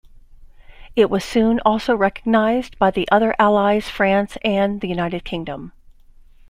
It was soon also recognized by the other Allies, France and the United Kingdom.